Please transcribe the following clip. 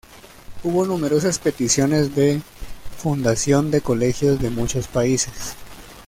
Hubo numerosas peticiones de fundación de colegios de muchos países.